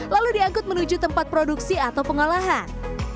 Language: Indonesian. lalu diangkut menuju tempat produksi atau pengolahan